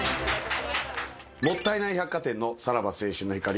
もったいない百貨店のさらば青春の光森田です。